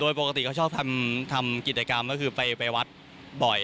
โดยปกติเขาชอบทำกิจกรรมก็คือไปวัดบ่อย